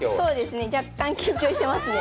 若干緊張してますね。